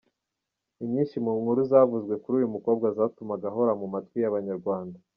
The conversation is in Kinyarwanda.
Ni nyinshi mu nkuru zavuzwe kuri uyu mukobwa zatumaga ahora mu matwi y’Abanyarwanda.